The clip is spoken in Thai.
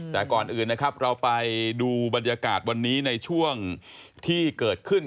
แต่ก่อนอื่นนะครับเราไปดูบรรยากาศวันนี้ในช่วงที่เกิดขึ้น